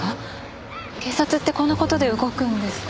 警察ってこんな事で動くんですか？